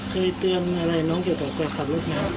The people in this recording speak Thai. เคยเตือนอะไรน้องเกี่ยวต่อไปขับลูกไหม